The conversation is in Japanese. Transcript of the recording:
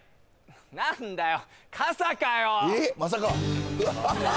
何だよ